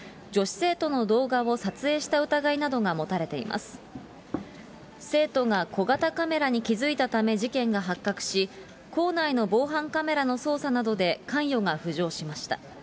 生徒が小型カメラに気付いたため事件が発覚し、校内の防犯カメラの捜査などで関与が浮上しました。